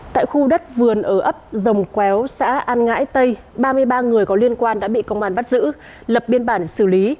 tại khu đất vườn ở ấp dòng kéo xã an ngãi tây ba mươi ba người có liên quan đã bị công an bắt giữ lập biên bản xử lý